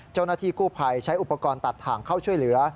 เจ้าหน้าที่กู้ภัยใช้อุปกรณ์ตัดถ่างเข้าช่วยเหลือ